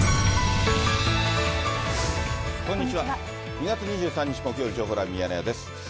２月２３日木曜日、情報ライブミヤネ屋です。